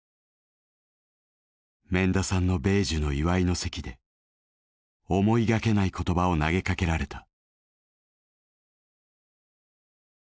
免田さんの米寿の祝いの席で思いがけない言葉を投げかけられた。